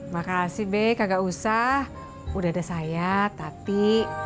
makasih be gak usah udah ada saya tati